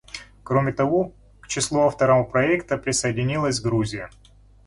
Кроме того, к числу авторов проекта присоединилась Грузия.